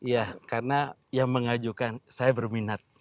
ya karena yang mengajukan saya berminat